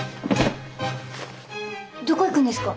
どこ行くんですか？